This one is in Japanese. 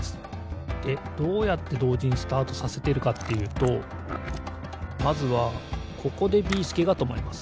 でどうやってどうじにスタートさせてるかっていうとまずはここでビーすけがとまります。